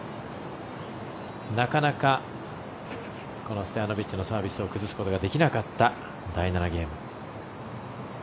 なかなか、ストヤノビッチのサービスを崩すことができなかった第７ゲーム。